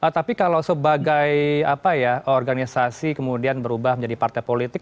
tapi kalau sebagai organisasi kemudian berubah menjadi partai politik